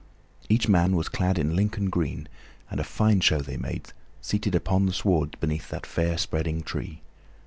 Each man was clad in Lincoln green, and a fine show they made, seated upon the sward beneath that fair, spreading tree.